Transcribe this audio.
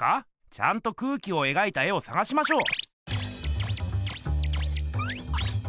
ちゃんと空気を描いた絵をさがしましょう。